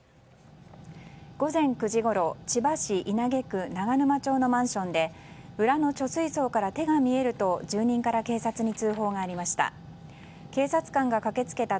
午前９時ごろ千葉市稲毛区長沼町のマンションで裏の貯水槽から手が見えると住人から警察に通報がありました。